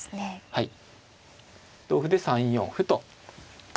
はい。